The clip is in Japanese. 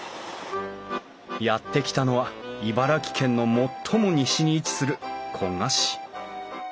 やって来たのは茨城県の最も西に位置する古河市。